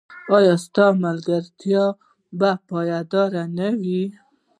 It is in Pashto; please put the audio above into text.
ایا ستاسو ملګرتیا به پایداره نه وي؟